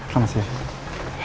terima kasih pak